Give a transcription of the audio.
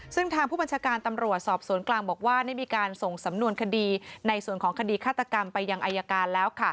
ซึ่งทางผู้บัญชาการตำรวจสอบสวนกลางบอกว่าได้มีการส่งสำนวนคดีในส่วนของคดีฆาตกรรมไปยังอายการแล้ว